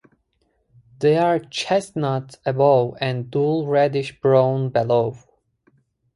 They are chestnut above and dull reddish brown below.